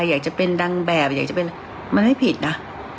อยากจะเป็นนางแบบอยากจะเป็นมันไม่ผิดนะ